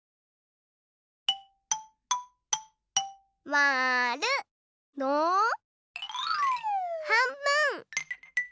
まる。のはんぶん！